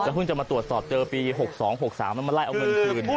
เพิ่งจะมาตรวจสอบเจอปี๖๒๖๓มันมาไล่เอาเงินคืน